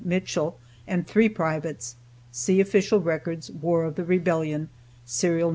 Mitchell, and three privates. (See Official Records, War of the Rebellion, Serial No.